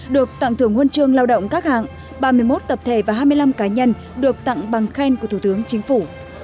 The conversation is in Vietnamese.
được tặng thưởng huân chương lao động các hạng ba mươi một tập thể và hai mươi năm cá nhân được tặng bằng khen của thủ tướng chính phủ